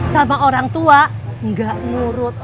sama orang tua nggak nurut